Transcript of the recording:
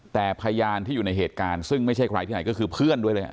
แต่พยานที่อยู่ในเหตุการณ์ซึ่งไม่ใช่ใครที่ไหนก็คือเพื่อนด้วยเลย